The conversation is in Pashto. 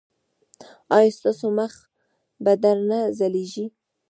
ایا ستاسو مخ به نه ځلیږي؟